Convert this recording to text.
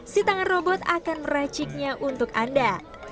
sitangan robot akan meraciknya untuk anda